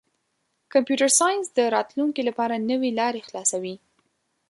کمپیوټر ساینس د راتلونکي لپاره نوې لارې خلاصوي.